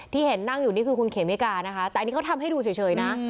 ที่เห็นนั่งอยู่นี่คือคุณเขมิกานะคะแต่อันนี้เขาทำให้ดูเฉยนะ